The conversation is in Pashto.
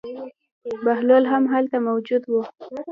بهلول هم هلته موجود و.